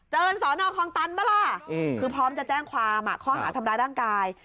เจริญสอนออกคองตันปะล่ะคือพร้อมจะแจ้งความข้อหาธรรมดาด้างกาย